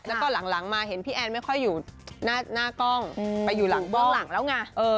แล้วก็หลังมาเห็นพี่แอนไม่ค่อยอยู่หน้ากล้องไปอยู่หลังเบื้องหลังแล้วไง